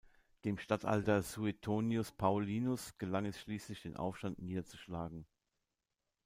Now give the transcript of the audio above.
Dem Statthalter Suetonius Paulinus gelang es schließlich, den Aufstand niederzuschlagen.